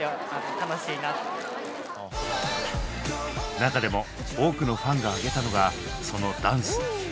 中でも多くのファンが挙げたのがそのダンス。